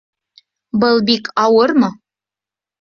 Был бик ауырмы?